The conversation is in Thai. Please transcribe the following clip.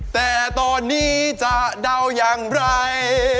แต่ตอนนี้จะเดาอย่างไร